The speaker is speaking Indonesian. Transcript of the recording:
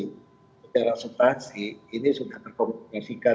secara subtansi ini sudah terkomunikasikan